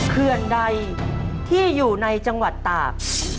เขื่อนใดที่อยู่ในจังหวัดตาก